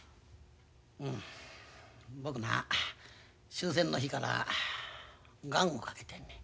うん僕な終戦の日から願をかけてんねん。